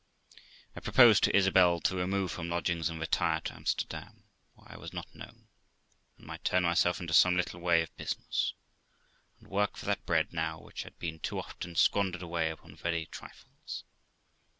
I proposed to Isabel to remove from lodgings and retire to Amsterdam, where I was not known, and might turn myself into some little way of business, and work for that bread now which had been too often squandered away upon very trifles.